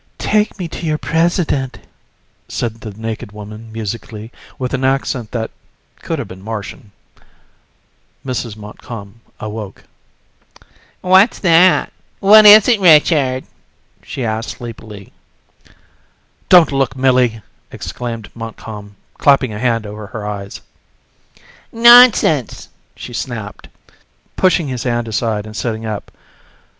"Take me to your President," said the naked woman musically, with an accent that could have been Martian. Mrs. Montcalm awoke. "What's that? What is it, Richard?" she asked sleepily. "Don't look, Millie!" exclaimed Montcalm, clapping a hand over her eyes. "Nonsense!" she snapped, pushing his hand aside and sitting up.